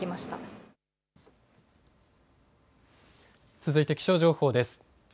続いて気象情報です。